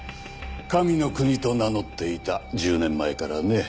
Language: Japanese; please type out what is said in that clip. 神の国と名乗っていた１０年前からね。